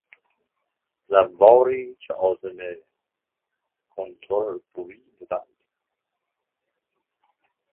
زواری که عازم کنتر بوری بودند